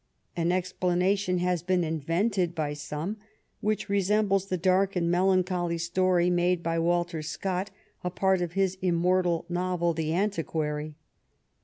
An explanation has been invented by some which resembles the dark and melancholy story made by Walter Scott a part of his immortal novel, the Antiquary.